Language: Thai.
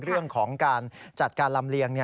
เรื่องของการจัดการลำเลียง